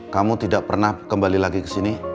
kamu tidak pernah kembali lagi ke sini